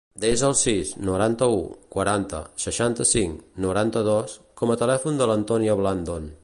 Desa el sis, noranta-u, quaranta, seixanta-cinc, noranta-dos com a telèfon de l'Antònia Blandon.